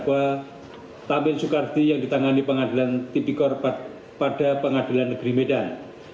tidak ada pengadilan yang ditangani pengadilan tipikor pada pengadilan negeri medan